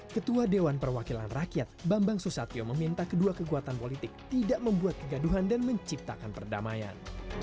ketua dewan perwakilan rakyat bambang susatyo meminta kedua kekuatan politik tidak membuat kegaduhan dan menciptakan perdamaian